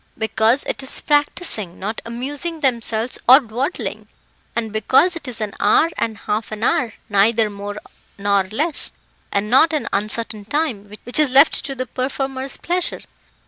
"Because it is practising, not amusing themselves or dawdling, and because it is an hour and half an hour, neither more nor less, and not an uncertain time, which is left to the performer's pleasure.